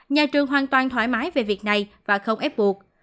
nhà trường hoàn toàn thoải mái về việc này và không ép buộc